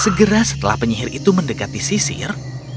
segera setelah penyihir itu mendekati sisir